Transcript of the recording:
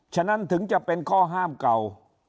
ฉะนั้นถึงจะเป็นข้อห้ามเก่า